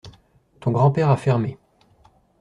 Ton grand-père a fermé.